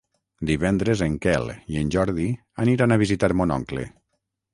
Divendres en Quel i en Jordi aniran a visitar mon oncle.